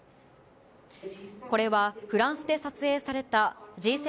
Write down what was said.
これはフランスで撮影された、Ｇ７